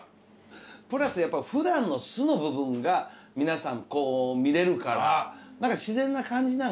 プラスやっぱ普段の素の部分が皆さんこう見れるから自然な感じ